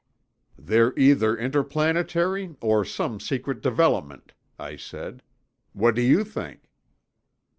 "They're either interplanetary or some secret development," I said. 'What do you think?"